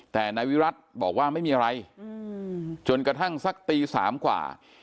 แต่นายวิรัติบอกว่าไม่มีอะไรจนกระทั่งสักตี๓กว่า